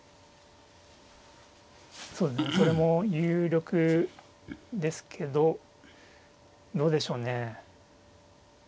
それも有力ですけどどうでしょうね。